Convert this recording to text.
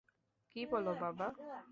কী বল বাবা?